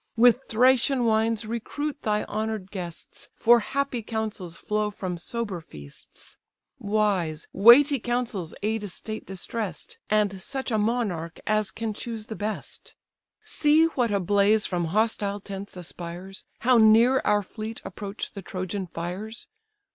With Thracian wines recruit thy honour'd guests, For happy counsels flow from sober feasts. Wise, weighty counsels aid a state distress'd, And such a monarch as can choose the best. See what a blaze from hostile tents aspires, How near our fleet approach the Trojan fires!